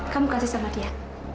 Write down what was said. kamu kasih sama dia